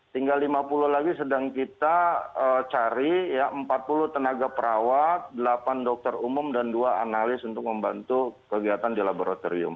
tinggal lima puluh lagi sedang kita cari empat puluh tenaga perawat delapan dokter umum dan dua analis untuk membantu kegiatan di laboratorium